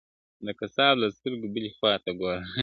د قصاب له سترګو بلي خواته ګوره؛